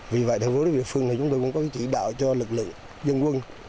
vì vậy thờ vô địa phương chúng tôi cũng có chỉ đạo cho lực lượng dân quân